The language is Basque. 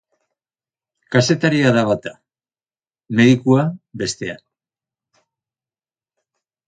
Kazetaria da bata, medikua, bestea.